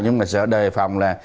nhưng mà sợ đề phòng là